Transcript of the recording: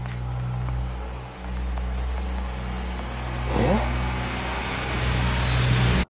えっ？